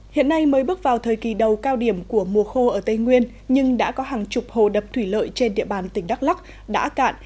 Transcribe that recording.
hiện nay mới bước vào thời kỳ đầu cao điểm của mùa khô ở tây nguyên nhưng đã có hàng chục hồ đập thủy lợi trên địa bàn tỉnh đắk lắc đã cạn